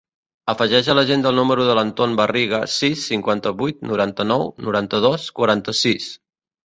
Afegeix a l'agenda el número de l'Anton Barriga: sis, cinquanta-vuit, noranta-nou, noranta-dos, quaranta-sis.